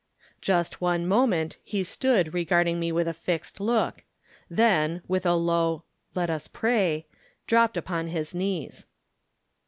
Just one moment he stood regarding me with a fixed look, then, with a low "let us pray," dropped upon his knees.